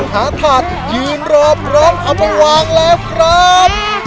หาถาดยืนรอพร้อมเอามาวางแล้วครับ